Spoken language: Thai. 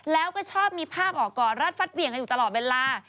แล้วก็ชอบมีภาพออกก่อนรัดฟัดเหวี่ยงกันอยู่ตลอดเวลา